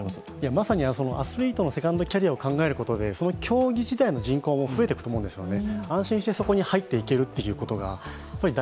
まさにアスリートのセカンドキャリアを考えることでその競技自体の人口も増えていくと思うんですよね。